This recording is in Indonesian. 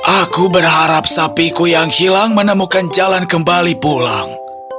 aku berharap sapiku yang hilang menemukan jalan kembali pulang